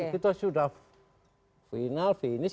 kita sudah final finish